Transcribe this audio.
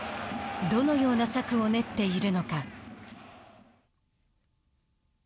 どのような策を練っているのか。